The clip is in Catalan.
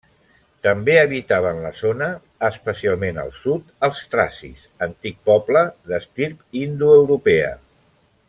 També habitaven la zona, especialment al sud, els tracis, antic poble d'estirp indoeuropea.